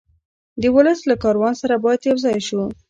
د ولس له کاروان سره باید یو ځای شو.